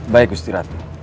baik kusti ratu